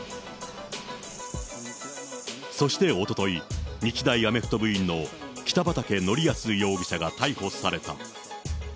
そしておととい、日大アメフト部員の北畠成文容疑者が逮捕された。